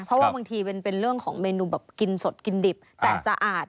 เพราะว่าบางทีเป็นเรื่องของเมนูแบบกินสดกินดิบแต่สะอาด